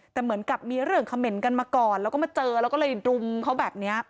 แต่เหมือนกับมีเรื่องเขม่นกันมาก่อนแล้วก็มาเจอแล้วก็เลยรุมเขาแบบนี้